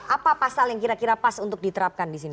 apa pasal yang kira kira pas untuk diterapkan di sini